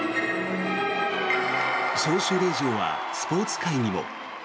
招集令状はスポーツ界にも。